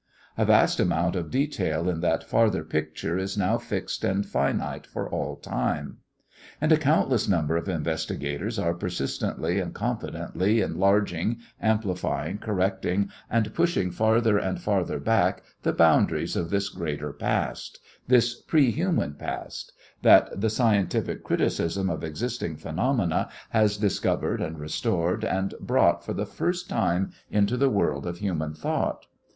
A vast amount of detail in that farther picture is now fixed and finite for all time. And a countless number of investigators are persistently and confidently enlarging, amplifying, correcting, and pushing farther and farther back the boundaries of this greater past this prehuman past that the scientific criticism of existing phenomena has discovered and restored and brought for the first time into the world of human thought.